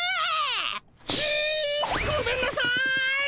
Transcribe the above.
ひっごめんなさい。